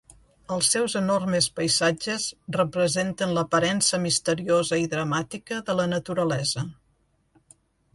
Els seus enormes paisatges representen l'aparença misteriosa i dramàtica de la naturalesa.